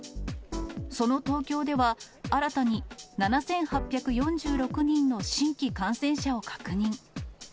その東京では、新たに７８４６人の新規感染者を確認。